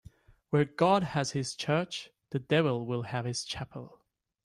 Where God has his church, the devil will have his chapel.